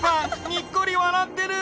にっこりわらってる！